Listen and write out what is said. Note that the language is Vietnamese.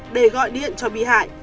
để gọi điện cho bị hại